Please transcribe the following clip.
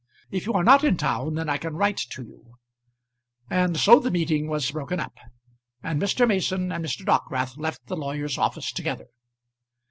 If you are not in town, then I can write to you." And so the meeting was broken up, and Mr. Mason and Mr. Dockwrath left the lawyer's office together.